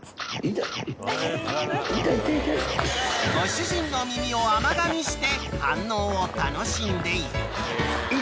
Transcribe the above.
［ご主人の耳を甘がみして反応を楽しんでいる］